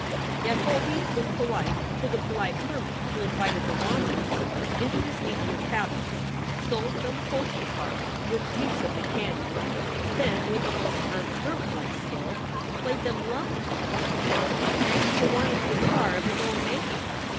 Yet Holby was polite to the polite hermit who invited the wanderers into his neat little cabin, sold them postal SOULS FOR SALE cards with views of the canon, then with a most unhermit like skill played them love tunes on an Hawaiian guitar of his own making.